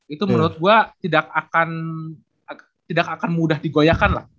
itu menurut gue tidak akan mudah digoyahkan lah